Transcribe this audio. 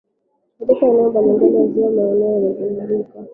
katika maeneo mbalimbali ya ziwa na maeneo yanayolizunguka